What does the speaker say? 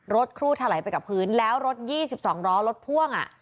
รถคลู่ถาลัยไปกับพื้นแล้วรถยี่สิบสองล้อรถพ่วงอ่ะ